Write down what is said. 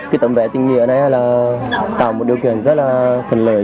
cái tầm vé tình nghĩa này là tạo một điều kiện rất là thân lời